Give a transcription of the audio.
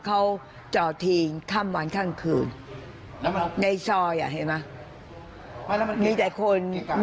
เขาจอดทิงค่ำวันค่ำคืนในซอยเห็นไหม